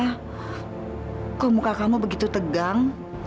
kok muka kamu begitu tegang